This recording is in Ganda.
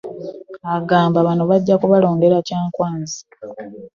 Agamba bano bajja kubalondera Kyankwanzi.